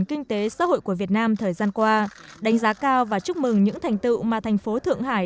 kinh tế xã hội của việt nam thời gian qua đánh giá cao và chúc mừng những thành tựu mà thành phố thượng hải